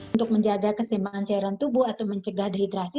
untuk menjaga kesimbangan cairan tubuh atau mencegah dehidrasi